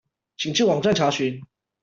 請至網站查詢